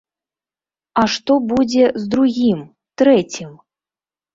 А што будзе з другім, трэцім?